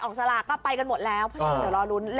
สลากก็ไปกันหมดแล้วเพราะฉะนั้นเดี๋ยวรอลุ้น